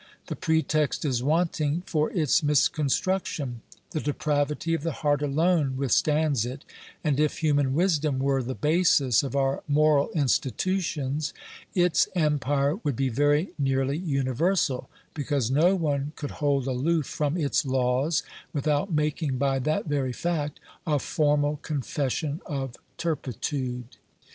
The pretext is wanting for its misconstruction ; the depravity of the heart alone withstands it ; and if human wisdom were the basis of our moral institutions, its empire would be very nearly universal, because no one could hold aloof from its laws without making, by that very fact, a formal confession of turpitude.